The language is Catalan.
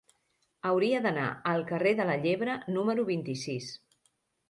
Hauria d'anar al carrer de la Llebre número vint-i-sis.